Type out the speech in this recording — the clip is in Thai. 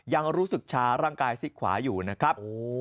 ยังรู้สึกชาร่างกายซิกขวาอยู่นะครับ